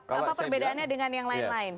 apa perbedaannya dengan yang lain lain